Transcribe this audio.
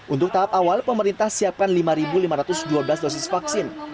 untuk tahap awal pemerintah siapkan lima lima ratus dua belas dosis vaksin